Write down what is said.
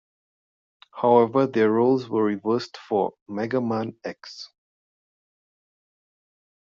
However, their roles were reversed for "Mega Man X".